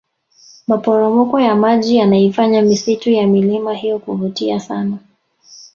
maporomoko ya maji yanaifanya misitu ya milima hiyo kuvutia sana